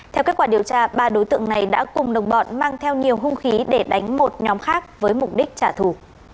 theo kết quả điều tra ba đối tượng này đã cùng đồng bọn mang theo nhiều hung khí để đánh một nhóm khác với mục đích trả thù